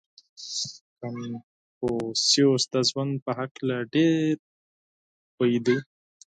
• کنفوسیوس د ژوند په هکله ډېر پوهېده.